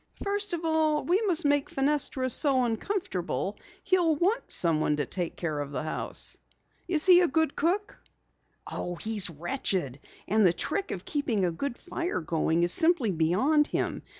"First of all, we must make Fenestra so uncomfortable he'll want someone to take care of the house. Is he a good cook?" "Oh, wretched. And the trick of keeping a good fire going is simply beyond him.